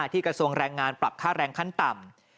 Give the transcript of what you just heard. กระทรวงแรงงานปรับค่าแรงขั้นต่ำ